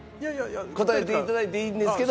答えて頂いていいんですけど。